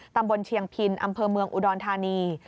ตำบลเชียงพินอำเภอเมืองอุดรธานี